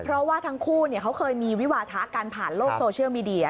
เพราะว่าทั้งคู่เขาเคยมีวิวาทะกันผ่านโลกโซเชียลมีเดีย